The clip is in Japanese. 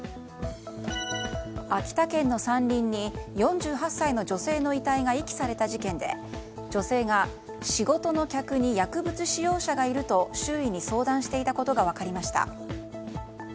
秋田県の山林に４８歳の女性の遺体が遺棄された事件で女性が仕事の客に薬物使用者がいると周囲に相談していたことが分かりました。